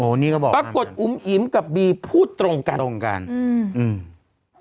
นี่ก็บอกปรากฏอุ๋มอิ๋มกับบีพูดตรงกันตรงกันอืมอืม